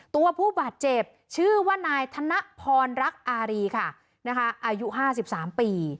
ตัวผู้บาดเจ็บชื่อว่านายธนพรรักอารีค่ะอายุ๕๓ปี